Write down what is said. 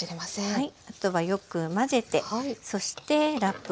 はい。